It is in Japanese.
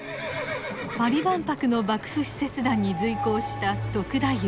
パリ万博の幕府使節団に随行した篤太夫。